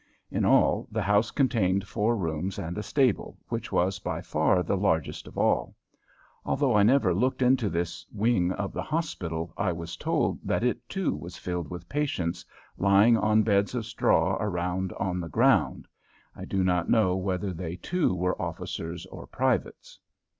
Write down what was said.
In all, the house contained four rooms and a stable, which was by far the largest of all. Although I never looked into this "wing" of the hospital, I was told that it, too, was filled with patients, lying on beds of straw around on the ground. I do not know whether they, too, were officers or privates.